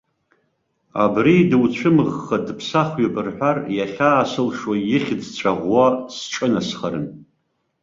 Абри дуцәымыӷха, дыԥсахҩуп рҳәар, иахьаасылшо ихьӡ ҵәаӷәо сҿынасхарын.